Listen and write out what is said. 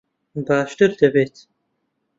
باشتر دەبێت.